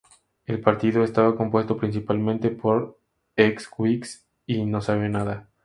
El partido estaba compuesto principalmente por ex Whigs y No Sabe Nada.